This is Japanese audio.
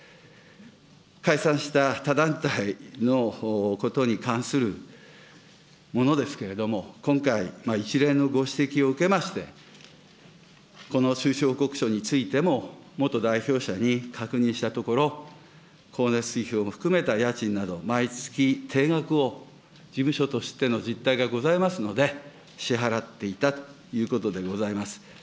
解散した他団体のことに関するものですけれども、今回、一連のご指摘を受けまして、この収支報告書についても、元代表者に確認したところ、光熱費を含めた家賃など、毎月定額を事務所としての実体がございますので、支払っていたということでございます。